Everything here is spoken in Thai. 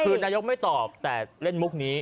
คือนายกไม่ตอบแต่เล่นมุกนี้